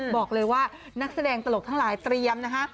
บอกเลยว่านักแสดงตลกทั้งหลายเตรียมนะคะ